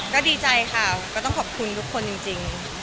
ก็ดีใจค่ะก็ต้องขอบคุณทุกคนจริง